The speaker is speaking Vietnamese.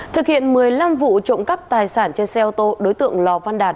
thực hiện một mươi năm vụ trộm cắp tài sản trên xe ô tô đối tượng lò văn đạt